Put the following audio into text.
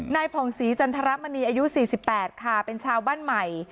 ผ่องศรีจันทรมณีอายุ๔๘ค่ะเป็นชาวบ้านใหม่